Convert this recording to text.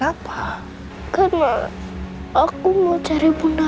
apa alasan kamu gak mau tinggal disini